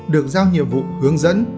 được giao nhiệm vụ hướng dẫn